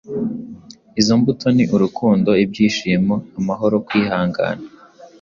Izo mbuto ni “urukundo, ibyishimo, amahoro, kwihangana,